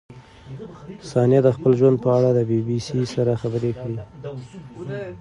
ثانیه د خپل ژوند په اړه د بي بي سي سره خبرې کړې.